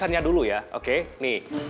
pesannya dulu ya oke nih